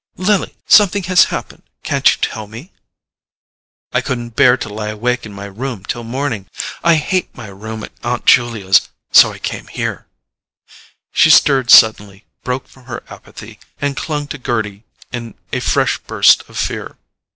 "Lily! Something has happened—can't you tell me?" "I couldn't bear to lie awake in my room till morning. I hate my room at Aunt Julia's—so I came here——" She stirred suddenly, broke from her apathy, and clung to Gerty in a fresh burst of fear.